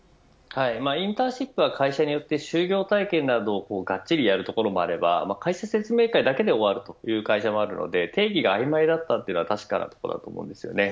インターンシップは会社によって就業体験などをがっちりやるところもあれば説明会だけで終わる会社もあるので定義があいまいだったのは確かだと思います。